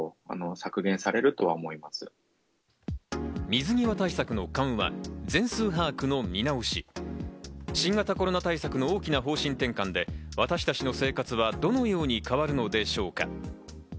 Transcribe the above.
水際対策の緩和、全数把握の見直し、新型コロナ対策の大きな方針転換で私たちの生活はどのように変わるのでしょうか？